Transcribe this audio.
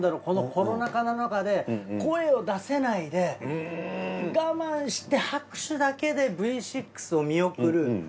このコロナ禍の中で声を出せないで我慢して拍手だけでＶ６を見送る。